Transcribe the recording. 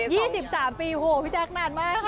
๒๓ปีพี่แจ๊กนานมากค่ะ